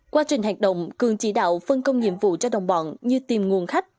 quá trình hoạt động cường chỉ đạo phân công nhiệm vụ cho đồng bọn như tìm nguồn khách